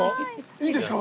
いいんですか？